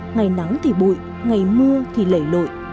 ngày nắng thì bụi ngày mưa thì lẩy lội